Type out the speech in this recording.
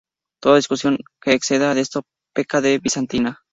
Toda discusión que exceda de esto, peca de bizantina.